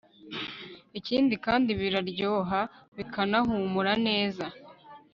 ikindi kandi biraryoha bikanahumura neza